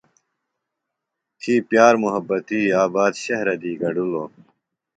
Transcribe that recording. تھی پِیار مُحبتی آباد شہرہ دی گڈِلوۡ۔